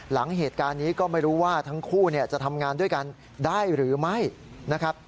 หลังเหตุการณ์นี้ก็ไม่รู้ว่าทั้งคู่จะทำงานด้วยกันได้หรือไม่นะครับ